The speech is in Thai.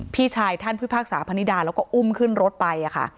พี่ชายท่านพิพากษาพนิดาแล้วก็อุ้มขึ้นรถไปค่ะ